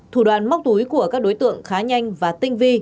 thủ đoàn móc túi của các đối tượng khá nhanh và tinh vi